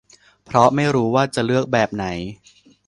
เพราะไม่รู้ว่าจะเลือกแบบไหน